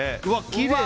きれい！